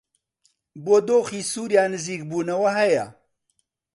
بۆ دۆخی سووریا نزیکبوونەوە هەیە